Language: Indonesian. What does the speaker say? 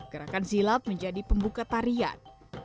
gerakan silat menjadi pembuka tarian